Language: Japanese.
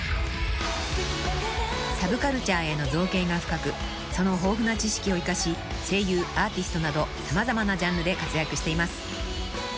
［サブカルチャーへの造詣が深くその豊富な知識を生かし声優アーティストなど様々なジャンルで活躍しています］